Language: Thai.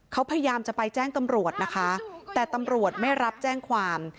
เขาพยายามจะไปแจ้งตำรวจนะคะแต่ตำรวจไม่รับแจ้งความ